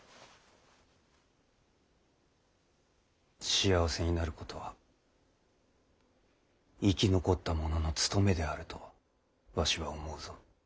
幸せになることは生き残った者の務めであるとわしは思うぞ。